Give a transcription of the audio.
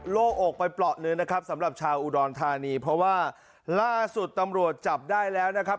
โลกอกไปเปราะหนึ่งนะครับสำหรับชาวอุดรธานีเพราะว่าล่าสุดตำรวจจับได้แล้วนะครับ